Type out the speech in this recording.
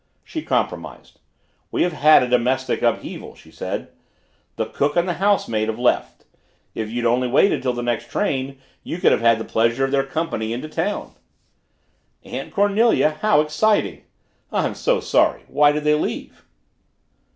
She compromised. "We have had a domestic upheaval," she said. "The cook and the housemaid have left if you'd only waited till the next train you could have had the pleasure of their company into town." "Aunt Cornelia how exciting! I'm so sorry! Why did they leave?"